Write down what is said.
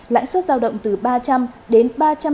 lãi suất giao động từ ba trăm linh đến ba trăm sáu mươi năm